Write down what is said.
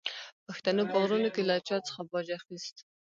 پښتنو په غرونو کې له چا څخه باج اخیست.